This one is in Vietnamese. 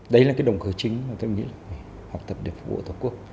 đấy là cái động cờ chính mà tôi nghĩ là học tập được phục vụ tổ quốc